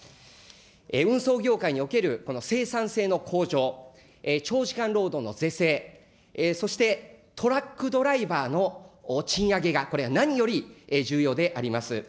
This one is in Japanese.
運送業界における生産性の向上、長時間労働の是正、そしてトラックドライバーの賃上げが、これが何より重要であります。